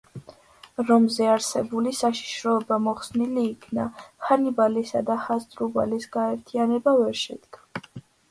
რომზე არსებული საშიშროება მოხსნილი იქნა: ჰანიბალისა და ჰასდრუბალის გაერთიანება ვერ შედგა.